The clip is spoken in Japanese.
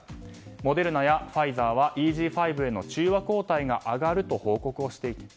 モデルナやファイザーはＥＧ．５への中和抗体が上がると報告をしています。